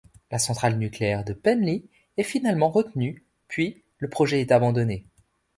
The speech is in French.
La centrale nucléaire de Penly est finalement retenue puis le projet est abandonné.